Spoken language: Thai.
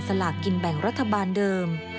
สลากกินแบ่งรัฐบาลเดิม